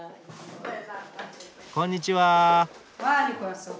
こんにちは。